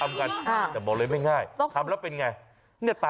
มันอาจจะทำง่ายนะ